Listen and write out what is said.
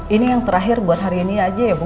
ini yang terakhir buat hari ini aja ya bu